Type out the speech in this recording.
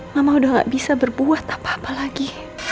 mama udah gak bisa berbuat apa apa lagi